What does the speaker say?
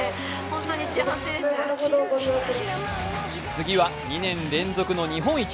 次は２年連続の日本一。